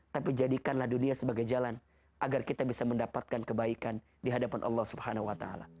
tapi jadikanlah dunia sebagai jalan agar kita bisa mendapatkan kebaikan di hadapan allah swt